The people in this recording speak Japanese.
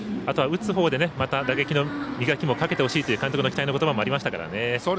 打つほうで打撃の磨きもかけてほしいという監督のことばもありました。